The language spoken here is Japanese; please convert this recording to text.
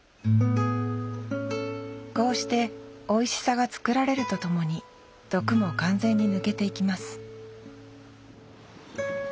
こうしておいしさが作られるとともに毒も完全に抜けていきます